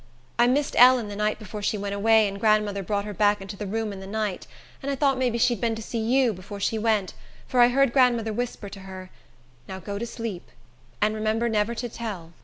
I missed Ellen, the night before she went away; and grandmother brought her back into the room in the night; and I thought maybe she'd been to see you, before she went, for I heard grandmother whisper to her, 'Now go to sleep; and remember never to tell.